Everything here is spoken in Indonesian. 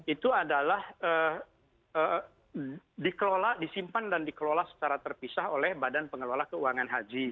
itu adalah dikelola disimpan dan dikelola secara terpisah oleh badan pengelola keuangan haji